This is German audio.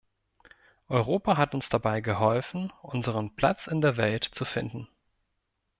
Europa hat uns dabei geholfen, unseren Platz in der Welt zu finden.